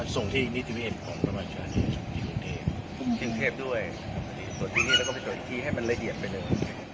ส่วนที่นี่ที่วิทยาลัยของกระมาษาถึงเทพด้วยส่วนที่นี่แล้วก็ไปส่วนอีกที่ให้มันละเอียดไปเลย